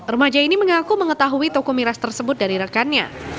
remaja ini mengaku mengetahui toko miras tersebut dari rekannya